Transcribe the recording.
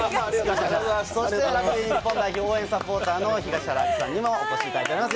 そしてラグビー日本代表応援サポーターの東原亜希さんにもお越しいただいています。